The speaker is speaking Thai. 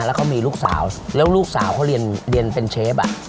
แล้วก็มีลูกสาวแล้วลูกสาวเขาเรียนเป็นเชฟอ่ะ